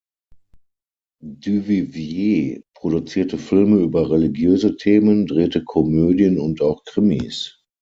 Duvivier produzierte Filme über religiöse Themen, drehte Komödien und auch Krimis.